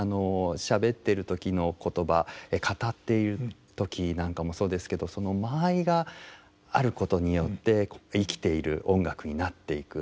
しゃべってる時の言葉語っている時なんかもそうですけどその間合いがあることによって生きている音楽になっていく。